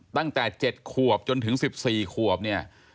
ตั้งแต่๗ขวบจนถึง๑๔ขวบเนี่ย